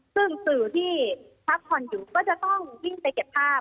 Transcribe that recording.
ซึ่งสื่อที่พักผ่อนอยู่ก็จะต้องวิ่งไปเก็บภาพ